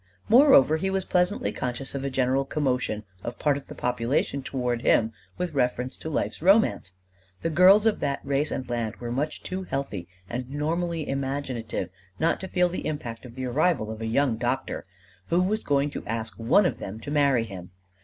Moreover, he was pleasantly conscious of a general commotion of part of the population toward him with reference to life's romance. The girls of that race and land were much too healthy and normally imaginative not to feel the impact of the arrival of a young doctor who was going to ask one of them to marry him.